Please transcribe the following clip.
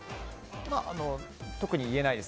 特に言えないです。